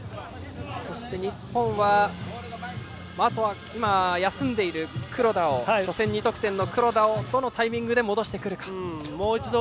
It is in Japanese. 日本は今、休んでいる黒田を初戦２得点の黒田をどのタイミングで戻すか。